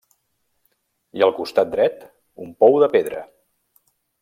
I al costat dret un pou de pedra.